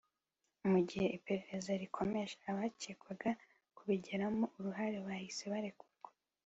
Mu gihe iperereza rikomeje abacyekwaga kubigiramo uruhare bahise barekurwa